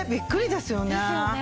ですよね。